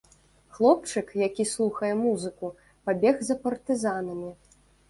Хлопчык, які слухае музыку, пабег за партызанамі.